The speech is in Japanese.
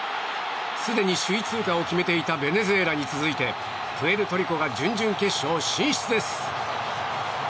すでに首位通過を決めていたベネズエラに続いてプエルトリコが準々決勝進出です。